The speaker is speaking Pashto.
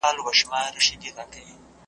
نه هوسيو غوندي ښكلي نجوني غورځي .